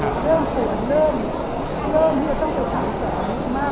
เริ่มเกิดเรื่องที่จะต้องไปชังเสริมมากขึ้น